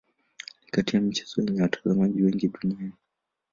Ni kati ya michezo yenye watazamaji wengi duniani.